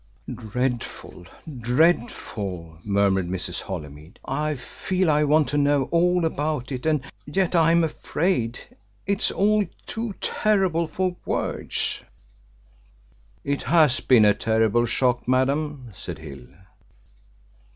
"Dreadful, dreadful," murmured Mrs. Holymead. "I feel I want to know all about it and yet I am afraid. It is all too terrible for words." "It has been a terrible shock, madam," said Hill.